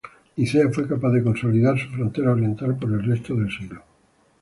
Nicea fue capaz de consolidar su frontera oriental por el resto del siglo.